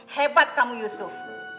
hebat kamu yusuf